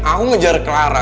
aku ngejar ke lara